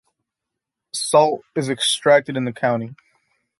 Salt is also extracted in the county.